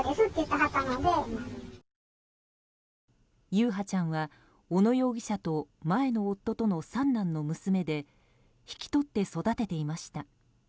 優陽ちゃんは小野容疑者と前の夫との三男の娘で引き取って育てていました。